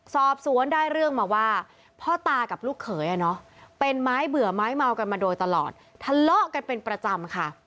สอบสวนได้เรื่องมาว่าพ่อตากับลูกเขยเป็นไม้เบื่อไม้เมากันมาโดยตลอดทะเลาะกันเป็นประจำค่ะ